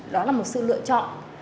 đó là một sự lựa chọn